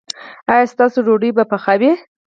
ایا ستاسو ډوډۍ به پخه وي؟